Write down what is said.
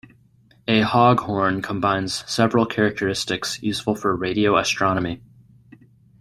A Hogg horn combines several characteristics useful for radio astronomy.